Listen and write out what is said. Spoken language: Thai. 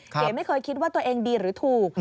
เก๋ไม่เคยคิดว่าตัวเองดีหรือถูก